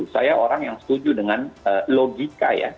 saya orang yang setuju dengan logika ya